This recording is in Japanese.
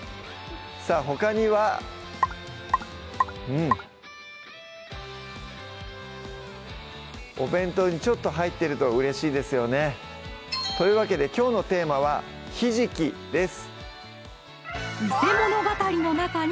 さぁほかにはうんお弁当にちょっと入ってるとうれしいですよねというわけできょうのテーマは「ひじき」です